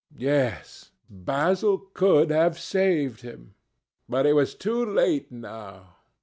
Yes, Basil could have saved him. But it was too late now.